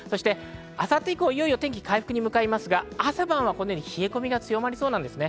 明後日以降、いよいよ天気は回復に向かいますが、朝晩は冷え込みが強まりそうです。